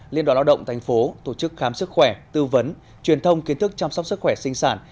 liên đoàn lao động tp tổ chức khám sức khỏe tư vấn truyền thông kiến thức chăm sóc sức khỏe sinh sản